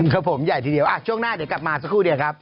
ครับผมใหญ่ทีเดียวช่วงหน้าเดี๋ยวกลับมาสักครู่เดียวครับ